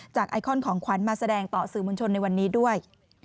ไอคอนของขวัญมาแสดงต่อสื่อมวลชนในวันนี้ด้วย